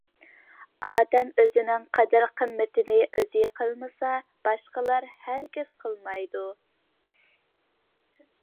ئادەم ئۆزىنىڭ قەدىر-قىممىتىنى ئۆزى قىلمىسا، باشقىلار ھەرگىز قىلمايدۇ.